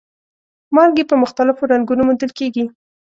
مالګې په مختلفو رنګونو موندل کیږي.